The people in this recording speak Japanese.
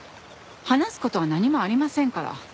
話す事は何もありませんから。